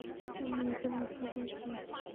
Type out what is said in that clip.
ও আমাকে বাধ্য করেছে।